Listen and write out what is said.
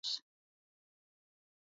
O'Keefe resides in Los Angeles.